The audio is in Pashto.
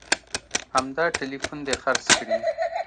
همدا ټلیفون دې خرڅ کړي